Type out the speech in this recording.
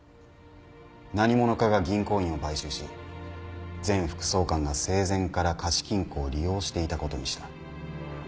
何者かが銀行員を買収し前副総監が生前から貸金庫を利用していたことにした。